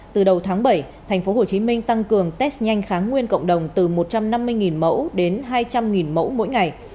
từ đầu tháng bảy tp hcm tăng cường test nhanh kháng nguyên cộng đồng từ một trăm năm mươi mẫu đến hai trăm linh mẫu mỗi ngày